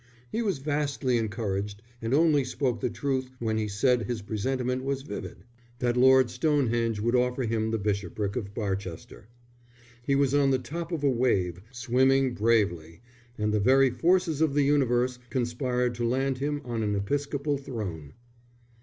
He was vastly encouraged, and only spoke the truth when he said his presentiment was vivid, that Lord Stonehenge would offer him the Bishopric of Barchester. He was on the top of a wave, swimming bravely; and the very forces of the universe conspired to land him on an episcopal throne.